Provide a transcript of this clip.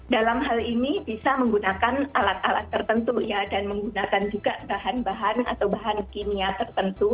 dalam hal ini bisa menggunakan alat alat tertentu dan menggunakan juga bahan bahan atau bahan kimia tertentu